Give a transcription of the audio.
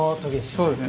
そうですね。